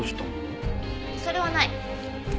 それはない。